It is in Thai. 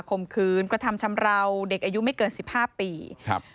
มขืนกระทำชำราวเด็กอายุไม่เกินสิบห้าปีครับ